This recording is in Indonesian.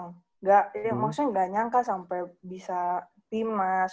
enggak maksudnya gak nyangka sampe bisa tim mas